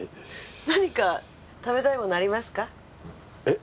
何か食べたいものありますか？え？